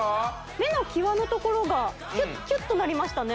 目の際のところがキュッとなりましたね